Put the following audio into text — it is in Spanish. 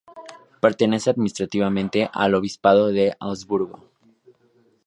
Pertenece administrativamente al Obispado de Augsburgo.